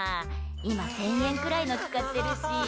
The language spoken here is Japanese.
今、１０００円くらいの使ってるし。